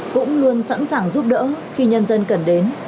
cũng luôn sẵn sàng giúp đỡ khi nhân dân cần đến